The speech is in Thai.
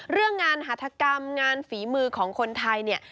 เรื่องงานหัฐกรรมงานฝีมือของคนไทยเนี่ย